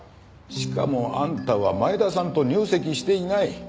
しかもあんたは前田さんと入籍していない。